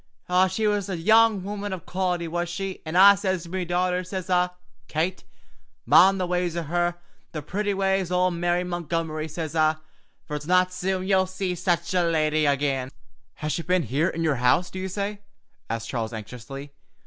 She was a young wummun of quality, was she, an' I sez to me dauther, sez I, 'Kate, mind the ways o' her, the pretty ways o' Mary Montgomery,' sez I, 'fer it's not soon ye'll see such a lady agin.'" "Has she been here in your house, do you say?" asked Charles anxiously.